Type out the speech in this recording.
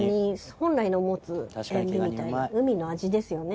本来の持つえん味みたいな海の味ですよね。